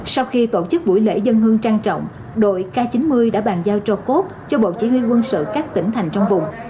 sau khi tổ chức buổi lễ dân hương trang trọng đội k chín mươi đã bàn giao cho cốt cho bộ chỉ huy quân sự các tỉnh thành trong vùng